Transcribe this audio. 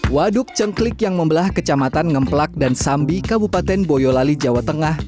waduk cengklik yang membelah kecamatan ngemplak dan sambi kabupaten boyolali jawa tengah